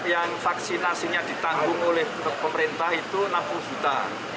yang vaksinasinya ditanggung oleh pemerintah itu enam puluh juta